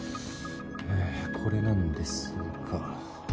えこれなんですが。